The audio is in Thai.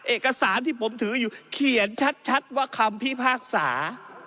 เอกสารที่ผมถืออยู่เขียนชัดว่าคำพิพากษา